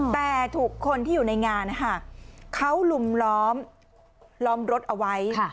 แต่ทุกคนที่อยู่ในงานนะคะเขาลุมล้อมรถเอาไว้